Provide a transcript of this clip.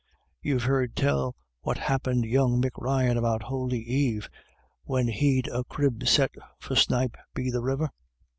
You've heard tell what happint young Mick Ryan about Holy Eve, when he'd a crib set for snipe be the river?